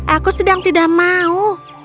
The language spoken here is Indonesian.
aku sedang tidak mau